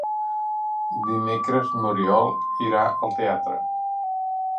Dimecres n'Oriol irà al teatre.